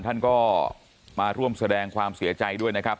ท่านก็มาร่วมแสดงความเสียใจด้วยนะครับ